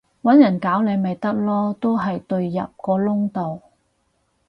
搵人搞你咪得囉，都係隊入個窿度